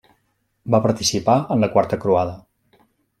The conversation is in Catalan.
Va participar en la Quarta Croada.